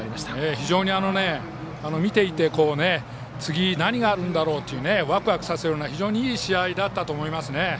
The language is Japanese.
非常に見ていて次、何があるんだろうとワクワクさせるような非常にいい試合だったと思います。